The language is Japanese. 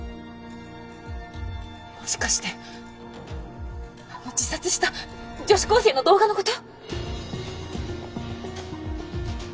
もしかしてあの自殺した女子高生の動画のこと！？